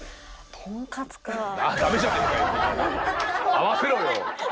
合わせろよ！